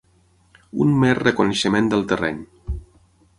Un mer reconeixement del terreny.